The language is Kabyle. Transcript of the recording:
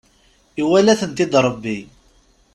Iwala-tent-id Rebbi.